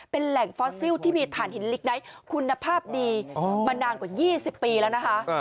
เป็นแหล่งฟอสซิลที่มีฐานหินลิกไนท์คุณภาพดีมานานกว่า๒๐ปีแล้วนะคะ